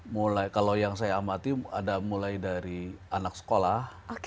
mulai kalau yang saya amati ada mulai dari anak sekolah